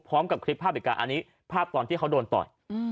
พร้อมกับคลิปภาพเหตุการณ์อันนี้ภาพตอนที่เขาโดนต่อย